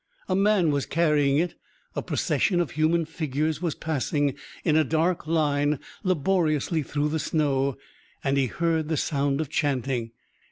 A man was carrying it. A procession of human figures was passing in a dark line laboriously through the snow. And he heard the sound of chanting.